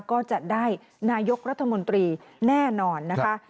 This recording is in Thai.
ก็จะได้นายกรัฐมนตรีแน่นอนนะคะ